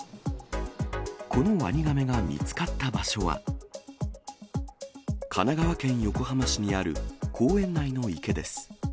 このワニガメが見つかった場所は、神奈川県横浜市にある、公園内の池です。